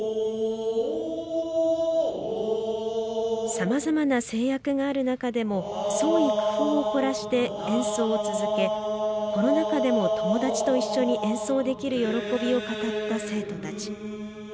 さまざまな制約がある中でも創意工夫を凝らして演奏を続けコロナ禍でも友達と一緒に演奏できる喜びを語った生徒たち。